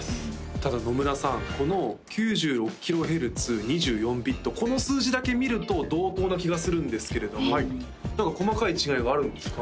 ただ野村さんこの９６ｋＨｚ２４ｂｉｔこの数字だけ見ると同等な気がするんですけれども何か細かい違いがあるんですか？